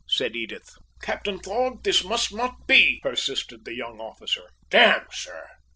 said Edith. "Captain Thorg! This must not be!" persisted the young officer. "D n, sir!